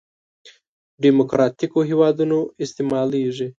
دیموکراتیکو هېوادونو استعمالېږي.